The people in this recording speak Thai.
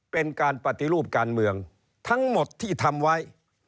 เป็นการปฏิรูปการเมืองทั้งหมดที่ทำไว้